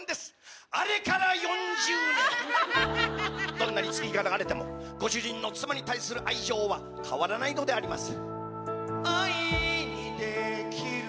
どんなに月日が流れてもご主人の妻に対する愛情は変わらないのであります。